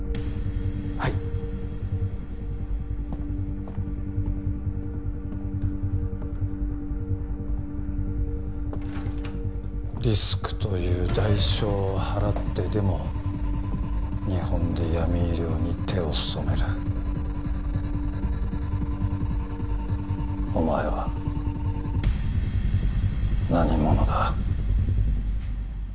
はいリスクという代償を払ってでも日本で闇医療に手を染めるお前は何者だ？